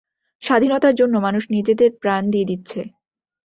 স্বাধীনতার জন্য মানুষ নিজেদের প্রাণ দিয়ে দিচ্ছে!